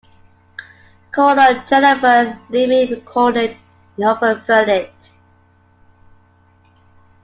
Coroner Jennifer Leeming recorded an open verdict.